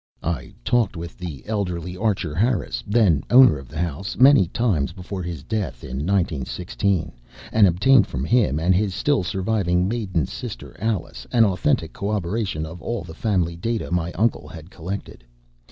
I talked with the elderly Archer Harris, then owner of the house, many times before his death in 1916; and obtained from him and his still surviving maiden sister Alice an authentic corroboration of all the family data my uncle had collected.